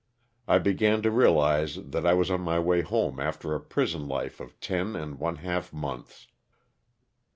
I began to realize that I was on my way home after a prison life of ten and one half months.